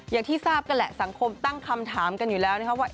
อย่างที่ทราบกันแหละสังคมตั้งคำถามกันอยู่แล้วนะครับว่า